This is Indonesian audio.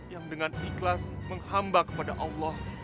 yang dengan ikhlas menghamba kepada allah